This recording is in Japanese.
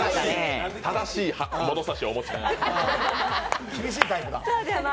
正しい物差しをお持ちで。